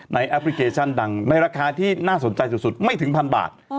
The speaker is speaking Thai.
แอปพลิเคชันดังในราคาที่น่าสนใจสุดไม่ถึงพันบาท